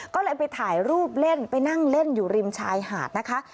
ก็เลยไปถ่ายรูปเล่นไปนั่งเล่นอยู่ริมชายหาดนะคะ